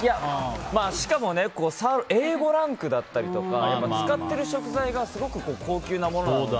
しかも、Ａ５ランクだったりとか使っている食材がすごく高級なものなので。